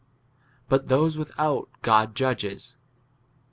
But those without God judges.